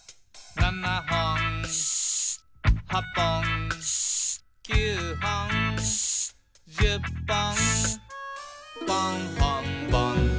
「７ほん８ぽん９ほん」「１０ぽん」